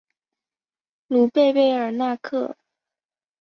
卢贝贝尔纳克。